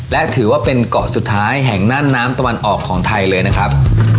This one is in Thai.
และถือว่าเป็นเกาะสุดท้ายแห่งน่านน้ำตะวันออกของไทยเลยนะครับ